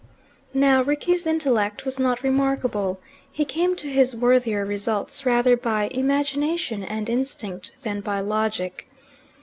Now, Rickie's intellect was not remarkable. He came to his worthier results rather by imagination and instinct than by logic.